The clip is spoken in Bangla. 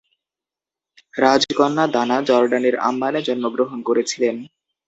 রাজকন্যা দানা জর্ডানের আম্মানে জন্মগ্রহণ করেছিলেন।